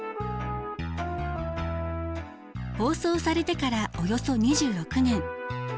放送されてからおよそ２６年。